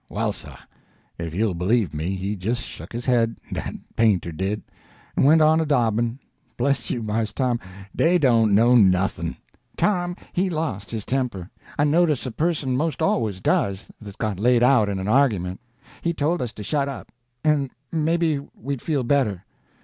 Well, sah, if you'll b'lieve me, he jes' shuck his head, dat painter did, en went on a dobbin'. Bless you, Mars Tom, dey don't know nothin'." Tom lost his temper. I notice a person 'most always does that's got laid out in an argument. He told us to shut up, and maybe we'd feel better.